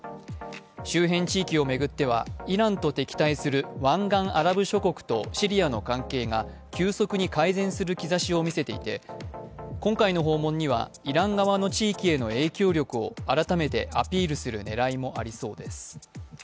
周辺地域を巡ってはイランと敵対する湾岸アラブ諸国とシリアの関係が急速に改善する兆しを見せていて今回の訪問にはイラン側の地域への影響力を改めてアピールする狙いもありそうです。